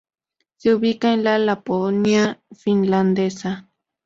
Se ubica en la Laponia finlandesa.